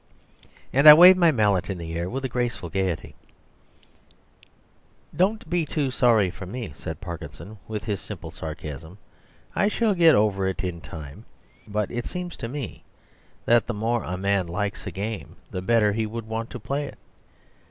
And I waved my mallet in the air with a graceful gaiety. "Don't be too sorry for me," said Parkinson, with his simple sarcasm. "I shall get over it in time. But it seems to me that the more a man likes a game the better he would want to play it.